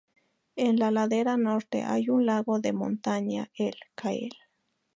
En la ladera norte hay un lago de montaña, el Ah-Kel